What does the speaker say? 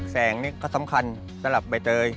แสงนี่ก็สำคัญสำหรับใบเตย